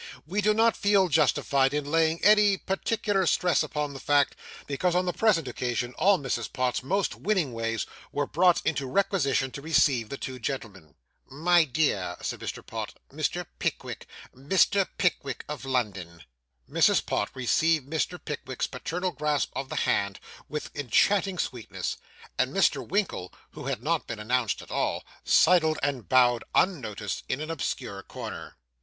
We do not feel justified in laying any particular stress upon the fact, because on the present occasion all Mrs. Pott's most winning ways were brought into requisition to receive the two gentlemen. 'My dear,' said Mr. Pott, 'Mr. Pickwick Mr. Pickwick of London.' Mrs. Pott received Mr. Pickwick's paternal grasp of the hand with enchanting sweetness; and Mr. Winkle, who had not been announced at all, sidled and bowed, unnoticed, in an obscure corner.